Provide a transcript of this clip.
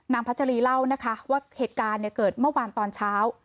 พัชรีเล่านะคะว่าเหตุการณ์เกิดเมื่อวานตอนเช้า